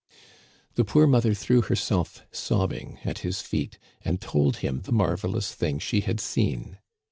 " The poor mother threw herself sobbing at his feet, and told him the marvelous thing she had seen.